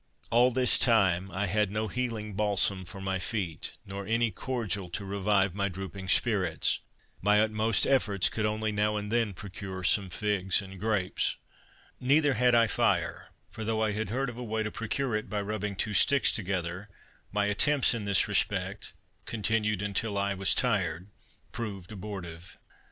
All this time I had no healing balsam for my feet, nor any cordial to revive my drooping spirits. My utmost efforts could only now and then procure some figs and grapes. Neither had I fire; for, though I had heard of a way to procure it by rubbing two sticks together, my attempts in this respect, continued until I was tired, proved abortive.